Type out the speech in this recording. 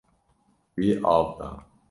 Wî av da.